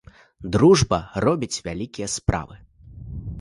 Дружба робіць вялікія справы.